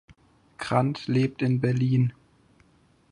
Grant lebt in Berlin.